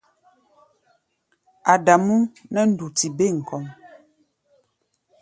Adamú nɛ́ nduti bêm kɔ́ʼm.